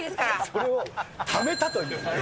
それをためたという。